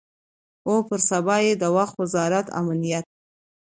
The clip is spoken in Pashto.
او پر سبا یې د وخت وزارت امنیت